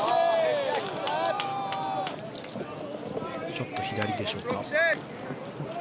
ちょっと左でしょうか。